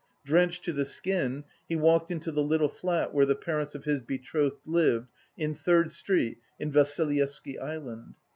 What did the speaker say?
Drenched to the skin, he walked into the little flat where the parents of his betrothed lived, in Third Street in Vassilyevsky Island.